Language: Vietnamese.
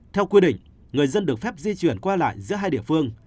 theo quy định người dân được phép di chuyển qua lại giữa hai địa phương